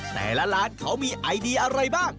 แต่ละร้านเขามีไอเดียอะไรบ้าง